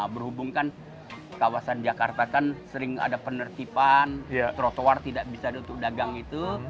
berhubungkan kawasan jakarta kan sering ada penertiban trotoar tidak bisa untuk dagang itu